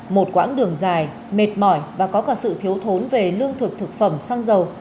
một quãng đường dài mệt mỏi và có cả sự thiếu thốn về lương thực thực phẩm xăng dầu